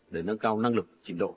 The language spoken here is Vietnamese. để nâng cao năng lực